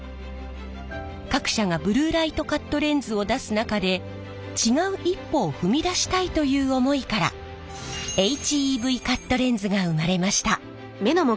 各社がブルーライトカットレンズを出す中で違う一歩を踏み出したいという思いからＨＥＶカットレンズが生まれました。